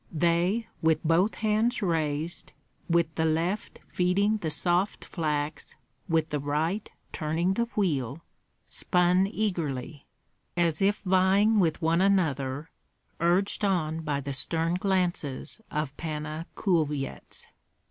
They, with both hands raised, with the left feeding the soft flax, with the right turning the wheel, spun eagerly, as if vying with one another, urged on by the stern glances of Panna Kulvyets.